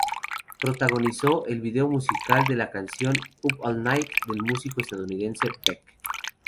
Protagonizó el vídeo musical de la canción "Up All Night" del músico estadounidense Beck.